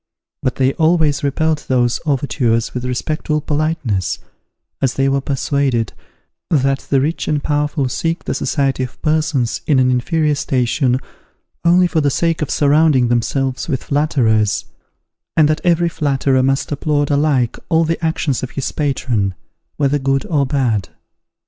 But they always repelled these overtures with respectful politeness, as they were persuaded that the rich and powerful seek the society of persons in an inferior station only for the sake of surrounding themselves with flatterers, and that every flatterer must applaud alike all the actions of his patron, whether good or bad.